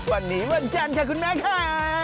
วันนี้วันจันทร์ค่ะคุณแม่ค่ะ